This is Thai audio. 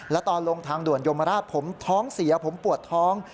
และตอนลงทางด่วนยมราชผมท้องเสียผมปวดท้อง